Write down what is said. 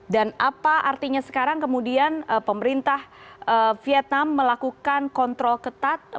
dan apa artinya sekarang kemudian pemerintah vietnam melakukan kontrol ketat